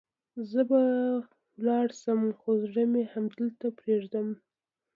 زه به لاړ شم، خو زړه مې همدلته پرېږدم.